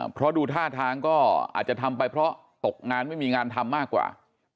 เพราะดูท่าทางก็อาจจะทำไปเพราะตกงานไม่มีงานทำมากกว่า